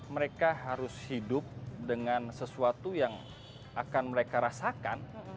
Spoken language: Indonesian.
mereka harus hidup dengan sesuatu yang akan mereka rasakan